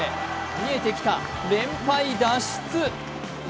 見えてきた、連敗脱出。